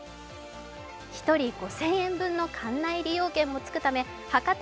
１人５０００円分の館内利用券も付くため博多